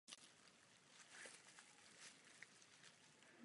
To, co jsem řekl, však nebyla slova z minulosti.